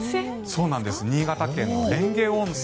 そうです新潟県の蓮華温泉。